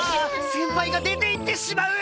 先輩が出て行ってしまう！